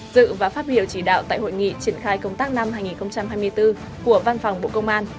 dự và phát biểu chỉ đạo tại hội nghị triển khai công tác năm hai nghìn hai mươi bốn của văn phòng bộ công an